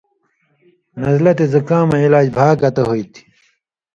نزلہ تے زکامَیں علاج بھا گتہ ہُوئ تھی